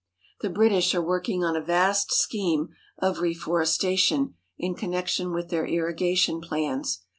The British are working on a vast scheme of refores tation in connection with their irrigation plans.